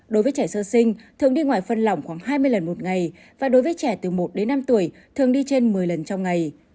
đối với trẻ sơ sinh thường đi ngoài phân lỏng khoảng hai mươi lần một ngày và đối với trẻ từ một đến năm tuổi thường đi trên một mươi lần trong ngày